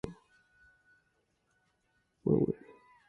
Form drag is caused by movement of the aircraft through the air.